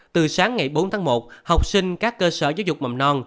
từ sáng ngày bốn tháng một học sinh các cơ sở giáo dục mầm non